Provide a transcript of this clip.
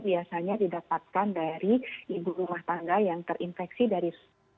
biasanya didapatkan dari ibu rumah tangga yang terinfeksi dari